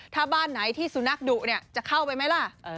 ถ้าบ้านไหนที่สุนัขดุจะเข้าไปไหมล่ะ